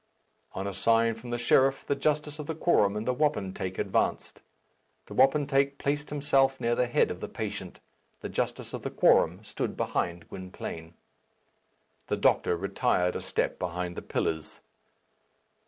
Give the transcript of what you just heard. On a sign from the sheriff, the justice of the quorum and the wapentake advanced. The wapentake placed himself near the head of the patient. The justice of the quorum stood behind Gwynplaine. The doctor retired a step behind the pillars.